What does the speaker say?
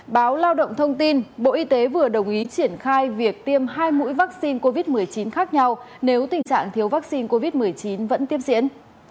báo lao động thông tin bộ y tế vừa đồng ý triển khai việc tiêm hai mũi vaccine covid một mươi chín khác nhau nếu tình trạng thiếu vaccine covid một mươi chín vẫn tiếp diễn